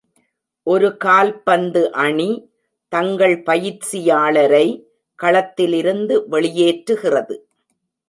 ஒரு கால்பந்து அணி தங்கள் பயிற்சியாளரை களத்தில் இருந்து வெளியேற்றுகிறது